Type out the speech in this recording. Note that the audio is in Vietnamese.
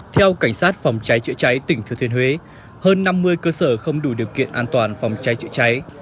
theo cảnh sát phòng cháy chữa cháy tỉnh thừa thiên huế hơn năm mươi cơ sở không đủ điều kiện an toàn phòng cháy chữa cháy